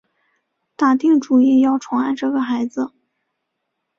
打定主意要宠爱着这个孩子